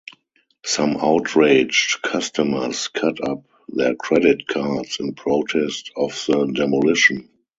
Some outraged customers cut up their credit cards in protest of the demolition.